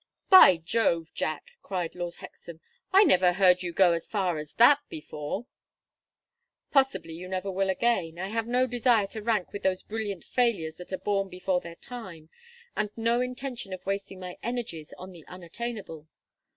"By Jove, Jack!" cried Lord Hexam. "I never heard you go as far as that before." "Possibly you never will again. I have no desire to rank with those brilliant failures that are born before their time, and no intention of wasting my energies on the unattainable.